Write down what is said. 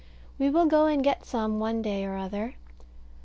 We will go and get some one day or other.